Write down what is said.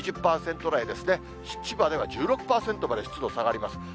２０％台ですね、千葉では１６％まで湿度下がります。